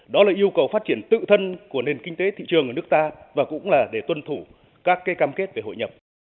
đó là yêu cầu phát triển tự thân của nền kinh tế thị trường ở nước ta và cũng là để tuân thủ các cam kết về hội nhập